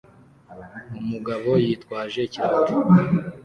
Umugabo yitwaje ikirahure